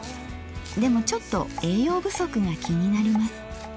でもちょっと栄養不足が気になります。